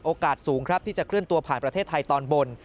โอกาสสูงครับที่จะเคลื่อนตัวผ่านประเทศไทยตอนบน